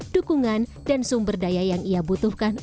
dukungan dan sumber daya yang ia butuhkan